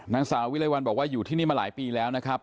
นางสาววิรัยวัลบอกว่าอยู่ที่นี่มาหลายปีแล้วนะครับ